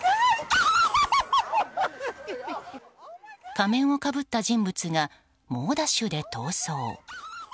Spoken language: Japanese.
仮面をかぶった人物が猛ダッシュで逃走。